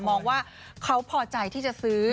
มองว่าเขาพอใจที่จะซื้อ